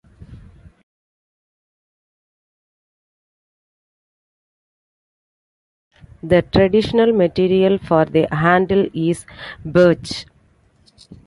The traditional material for the handle is birch.